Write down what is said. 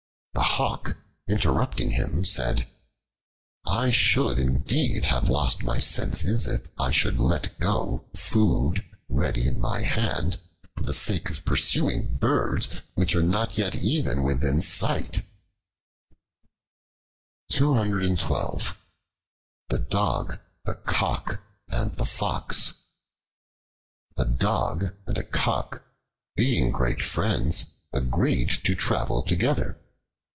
The Hawk, interrupting him, said: "I should indeed have lost my senses if I should let go food ready in my hand, for the sake of pursuing birds which are not yet even within sight." The Dog, the Cock, and the Fox A DOG and a Cock being great friends, agreed to travel together.